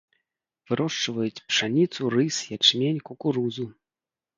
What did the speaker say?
Вырошчваюць пшаніцу, рыс, ячмень, кукурузу.